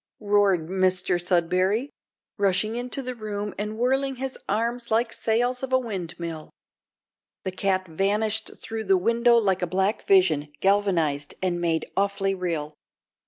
roared Mr Sudberry, rushing into the room and whirling his arms like the sails of a windmill. The cat vanished through the window like a black vision galvanised and made awfully real.